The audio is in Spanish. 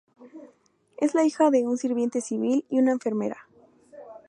Es la hija de un sirviente civil y una enfermera.